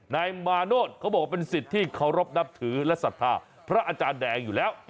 นายมาโนธเขาบอกว่าเป็นสิทธิ์ที่เคารพนับถือและศรัทธาพระอาจารย์แดงอยู่แล้ว